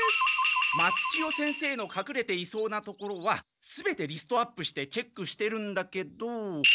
松千代先生のかくれていそうなところはすべてリストアップしてチェックしてるんだけど。